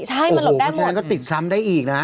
ใช่มันหลบได้หมดมันก็ติดซ้ำได้อีกนะฮะ